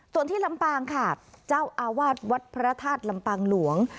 ส่วนที่ลำปางค่ะเจ้าอาวาสวัดพระธาตุลำปางหลวง